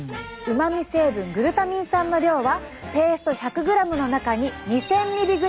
うまみ成分グルタミン酸の量はペースト１００ｇの中に２，０００ｍｇ！